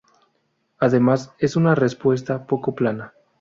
Además, es una respuesta poco plana.